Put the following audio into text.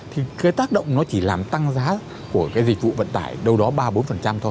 thì cái tác động nó chỉ làm tăng giá của cái dịch vụ vận tải đâu đó ba mươi bốn thôi